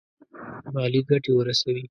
مالي ګټي ورسوي.